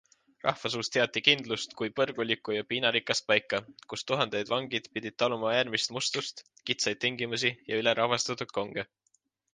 Rahvasuus teati kindlust kui põrgulikku ja piinarikast paika, kus tuhanded vangid pidid taluma äärmist mustust, kitsaid tingimusi ja ülerahvastatud konge.